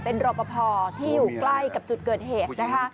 เป็นรอปภที่อยู่ใกล้กับจุดเกิดเหตุนะคะ